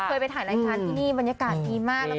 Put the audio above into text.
เคยไปถ่ายรายการที่นี่บรรยากาศดีมาก